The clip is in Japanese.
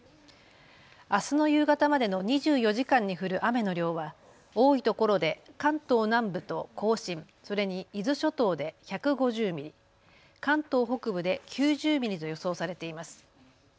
あすの夕方までの２４時間に降る雨の量は多いところで関東南部と甲信、それに伊豆諸島で１５０ミリ、関東北部で９０ミリと予想されています。